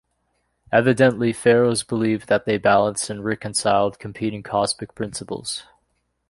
Evidently, pharaohs believed that they balanced and reconciled competing cosmic principles.